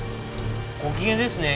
ご機嫌ですね